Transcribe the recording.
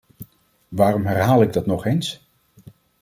Waarom herhaal ik dat nog eens?